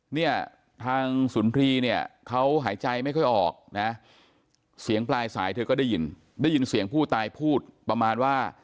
เนี่ยทางสุนทรีย์เนี่ยเขาหายใจไม่ค่อยออกนะเสียงปลายสายเธอก็ได้ยินได้ยินเสียงผู้ตายพูดประมาณว่า